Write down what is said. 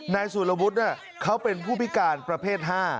นายสุรวุฒิเขาเป็นผู้พิการประเภท๕